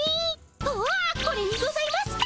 うわこれにございますか！